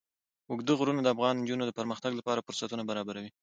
اوږده غرونه د افغان نجونو د پرمختګ لپاره فرصتونه برابروي.